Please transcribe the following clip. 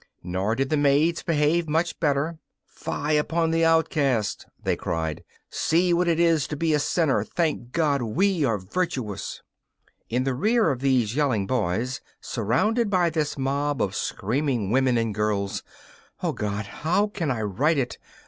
Nor did the maids behave much better. 'Fie upon the outcast!' they cried. 'See what it is to be a sinner! Thank heaven, we are virtuous.' In the rear of these yelling boys, surrounded by this mob of screaming women and girls O God! how can I write it?